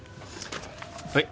はい。